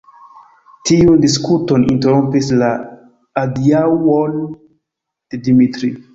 Tiun diskuton interrompis la adiaŭoj de Dimitri.